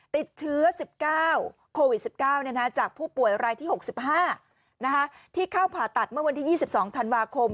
ติดเชื้อ๑๙โควิด๑๙จากผู้ป่วยรายที่๖๕ที่เข้าผ่าตัดเมื่อวันที่๒๒ธันวาคม